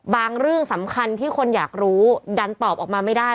เรื่องสำคัญที่คนอยากรู้ดันตอบออกมาไม่ได้